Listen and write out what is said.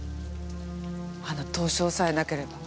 あの凍傷さえなければ。